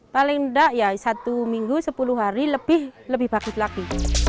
paling tidak ya satu minggu sepuluh hari lebih bagus lagi